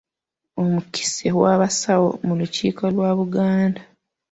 Omukiise w'abasawo mu lukiiko lwa Buganda.